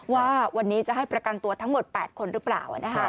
ว่าวันนี้จะให้ประกันตัวทั้งหมด๘คนหรือเปล่า